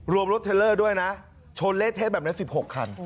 รวมรถเทลเลอร์ด้วยนะชนเละเทะแบบนั้น๑๖คัน